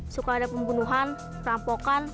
suka ada pembunuhan rampokan